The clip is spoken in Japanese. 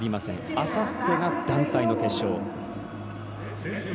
あさってが団体の決勝。